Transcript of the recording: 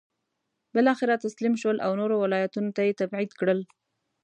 بالاخره تسلیم شول او نورو ولایتونو ته یې تبعید کړل.